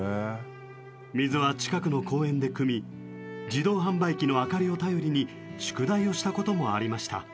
水は近くの公園でくみ自動販売機の明かりを頼りに宿題をしたこともありました。